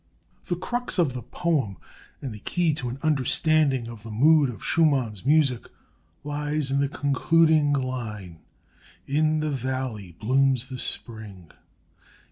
The crux of this poem, and the key to an understanding of the mood of Schumann's music, lies in the concluding line: "In the valley blooms the spring!"